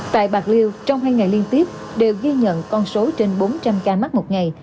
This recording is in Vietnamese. tại bạc liêu trong hai ngày liên tiếp đều ghi nhận con số trên bốn trăm linh ca mắc một ngày